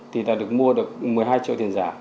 thì đã được mua được một mươi hai triệu tiền giả